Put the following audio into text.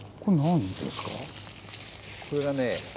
これがね